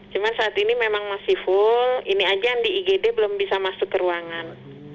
cuma saat ini memang masih full ini aja yang di igd belum bisa masuk ke ruangan